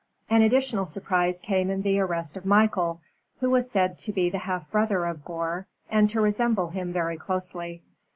An additional surprise came in the arrest of Michael, who was said to be the half brother of Gore, and to resemble him very closely.